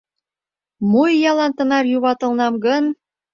Мо иялан тынар юватылынам гын?